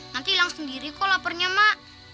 nanti hilang sendiri kok laparnya mak